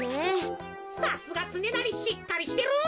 さすがつねなりしっかりしてる！